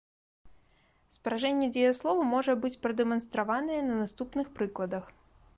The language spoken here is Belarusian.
Спражэнне дзеяслову можа быць прадэманстраванае на наступных прыкладах.